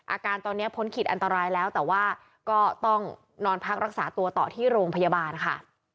อาการตอนนี้พ้นขีดอันตรายแล้วแต่ว่าก็ต้องนอนพักรักษาตัวต่อที่โรงพยาบาลค่ะ